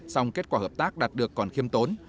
song kết quả hợp tác đạt được còn khiêm tốn